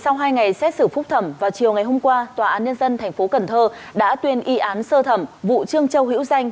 về xét xử phúc thẩm vào chiều ngày hôm qua tòa án nhân dân tp hcm đã tuyên y án sơ thẩm vụ trương châu hữu danh